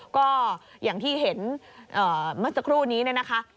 ก็อย่างที่เห็นเมื่อสักครู่นี้เนี่ยนะคะ